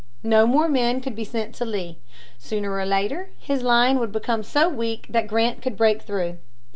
No more men could be sent to Lee. Sooner or later his line would become so weak that Grant could break through.